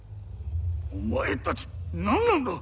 お前達何なんだ？